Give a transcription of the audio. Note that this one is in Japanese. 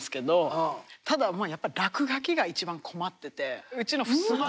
ただやっぱり落書きが一番困っててうちのふすま。